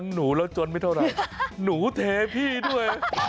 หนูแล้วจนไม่เท่าไหร่หนูเทพี่ด้วย